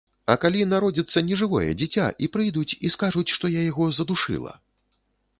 А калі народзіцца нежывое дзіця, і прыйдуць і скажуць, што я яго задушыла?